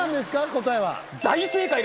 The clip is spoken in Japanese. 答えは。